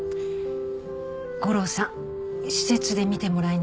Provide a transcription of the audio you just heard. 吾良さん施設で見てもらいなよ。